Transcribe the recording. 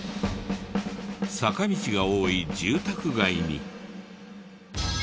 坂道が多い住宅街に。